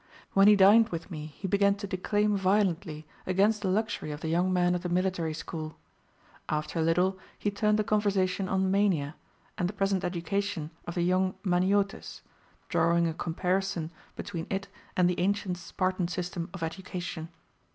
When he dined with me he began to declaim violently against the luxury of the young men of the military school. After a little he turned the conversation on Mania, and the present education of the young Maniotes, drawing a comparison between it and the ancient Spartan system of education.